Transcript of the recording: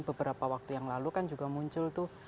beberapa waktu yang lalu kan juga muncul tuh